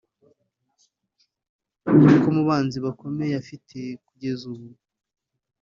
ko mu banzi bakomeye afite kugeza ubu